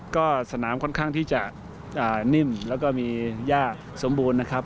ก็สนามค่อนข้างที่จะนิ่มแล้วก็มียากสมบูรณ์นะครับ